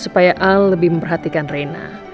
supaya al lebih memperhatikan reina